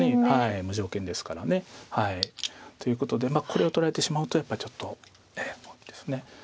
無条件ですから。ということでこれを取られてしまうとやっぱりちょっと終わりです。